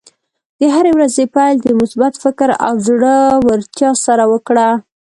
د هرې ورځې پیل د مثبت فکر او زړۀ ورتیا سره وکړه.